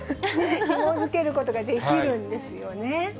ひもづけることができるんですよね。